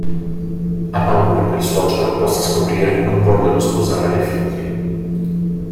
Ha paura che il suocero possa scoprire che non vogliono sposare le figlie.